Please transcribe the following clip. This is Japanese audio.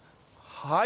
はい。